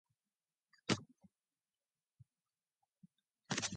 Sprecher brews more root beer than all of its alcoholic beers combined.